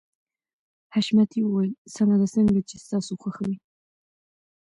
حشمتي وويل سمه ده څنګه چې ستاسو خوښه وي.